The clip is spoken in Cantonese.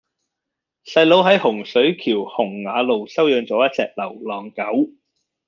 細佬喺洪水橋洪雅路收養左一隻流浪狗